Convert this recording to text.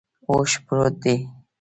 اوښ پروت دے